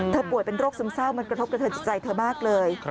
ป่วยเป็นโรคซึมเศร้ามันกระทบกระเทินจิตใจเธอมากเลย